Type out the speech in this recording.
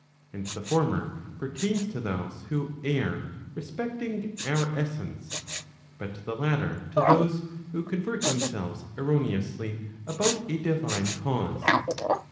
And the former pertains to those who err respecting our essence, but the latter to those who convert themselves erroneously about a divine cause.